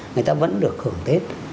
người ta vẫn được hưởng tết